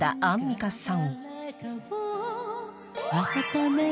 アンミカさん。